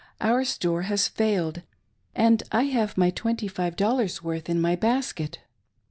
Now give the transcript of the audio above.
Qur store has failed, and I have my twenty five dollars' worth in my basket.